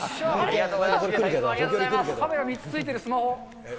カメラ３つついてるスマホ。